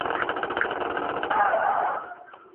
মাথাটা একটু হালকা লাগছে।